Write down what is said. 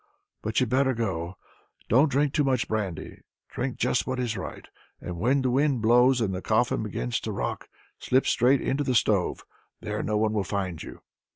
But you'd better go. Don't drink much brandy, drink just what is right; and when the wind blows, and the coffin begins to rock, slip straight into the stove. There no one will find you."